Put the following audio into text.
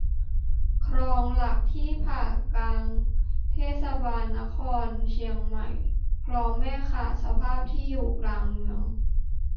คลองหลักที่ผ่ากลางเทศบาลนครเชียงใหม่ คลองแม่ข่าสภาพที่อยู่กลางเมือง